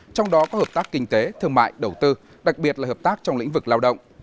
trong đó có hợp tác kinh tế thương mại đầu tư đặc biệt là hợp tác trong lĩnh vực lao động